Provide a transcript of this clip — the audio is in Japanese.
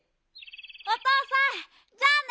おとうさんじゃあね！